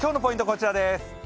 こちらです。